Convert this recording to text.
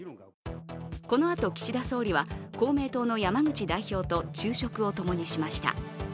このあと、岸田総理は公明党の山口代表と昼食をともにしました。